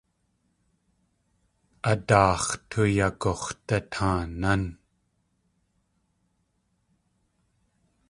A daax̲ tuyagux̲dataanán.